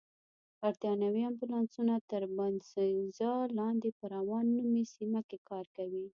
بریتانوي امبولانسونه تر باینسېزا لاندې په راون نومي سیمه کې کار کوي.